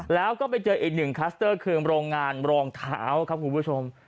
แล้วก็ไปเจออีกหนึ่งคัสเตอร์ก็คือโรงงานลองเท้าครับสมมุติ